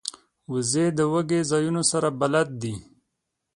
وزې د دوږی ځایونو سره بلد دي